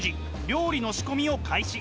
料理の仕込みを開始。